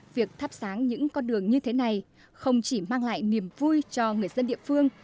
việc thắp sáng những con đường như thế này không chỉ mang lại niềm vui cho người dân địa phương